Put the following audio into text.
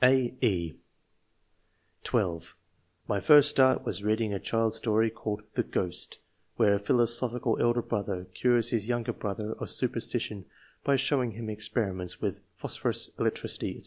(a, e) (12) "My first start was reading a child's story, called the * Ghost,' where a philosophical elder brother cures his younger brother of super stition, by showing him experiments with phosphorus, electricity, &c.